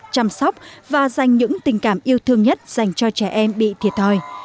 chăm sóc và dành những tình cảm yêu thương nhất dành cho trẻ em bị thiệt thòi